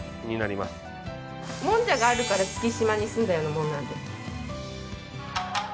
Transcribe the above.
もんじゃがあるから月島に住んだようなもんなんで。